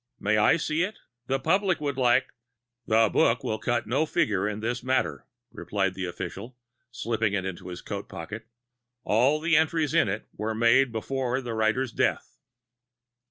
May I see it? The public would like " "The book will cut no figure in this matter," replied the official, slipping it into his coat pocket; "all the entries in it were made before the writer's death."